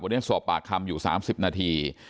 วันนี้สอบปากคำอยู่๓๐นาที